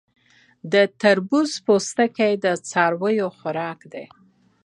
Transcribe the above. د تربوز پوستکی د څارویو خوراک دی.